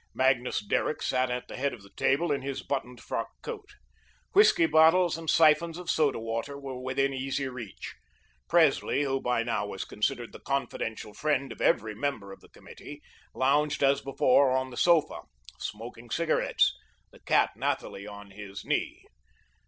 Magnus Derrick sat at the head of the table, in his buttoned frock coat. Whiskey bottles and siphons of soda water were within easy reach. Presley, who by now was considered the confidential friend of every member of the Committee, lounged as before on the sofa, smoking cigarettes, the cat Nathalie on his knee.